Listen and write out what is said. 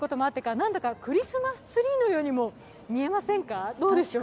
なんだかクリスマスツリーのようにも見えませんか。